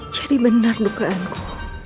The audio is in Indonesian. jadi benar dukaanku